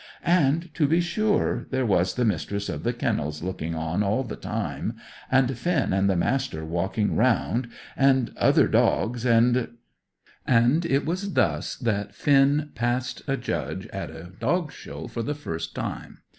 And, to be sure, there was the Mistress of the Kennels looking on all the time, and Finn and the Master walking round, and other dogs, and And it was thus that Finn passed a Judge at a dog show for the first time.